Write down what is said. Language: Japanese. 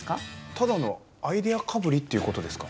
ただのアイデアかぶりっていうことですか？